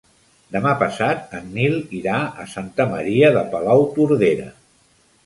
Demà passat en Nil irà a Santa Maria de Palautordera.